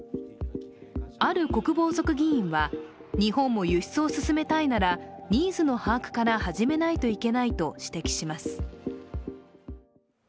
ある国防族議員は、日本も輸出を進めたいならニーズの把握から始めないといけないと指摘します。